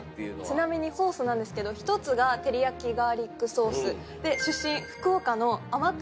ちなみにソースなんですけど１つが照り焼きガーリックソース。